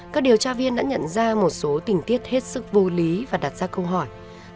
các điều tra viên đã nhận ra một số tình tiết hết sức vô lý và đặt ra câu hỏi